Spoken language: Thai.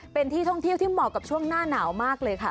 เป็นที่ท่องเที่ยวที่เหมาะกับช่วงหน้าหนาวมากเลยค่ะ